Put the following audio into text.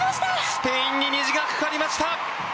スペインに虹がかかりました！